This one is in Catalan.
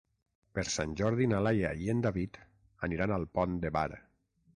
Per Sant Jordi na Laia i en David aniran al Pont de Bar.